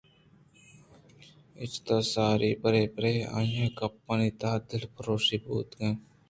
اچ توساری برے برے آئی ءِ گپانی تہا دلپرٛوشی بوتگ